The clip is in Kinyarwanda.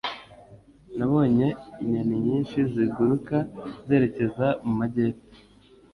Nabonye inyoni nyinshi ziguruka zerekeza mu majyepfo.